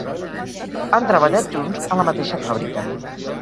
Han treballat junts a la mateixa fàbrica.